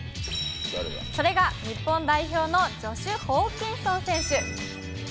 それが日本代表のジョシュ・ホーキンソン選手。